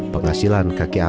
penghasilan kakek abas